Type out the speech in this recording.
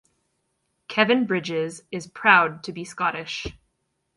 Kevin Bridges is proud to be scottish!